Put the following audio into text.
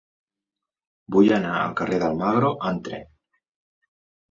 Vull anar al carrer d'Almagro amb tren.